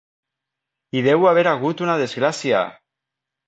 Hi deu haver hagut una desgràcia!